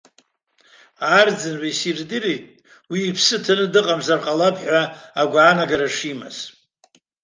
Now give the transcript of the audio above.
Арӡынба исирдырит уи иԥсы ҭаны дыҟамзар ҟалап ҳәа агәаанагара шимаз.